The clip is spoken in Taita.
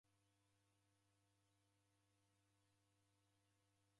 Kwaw'edinonea irina ja mao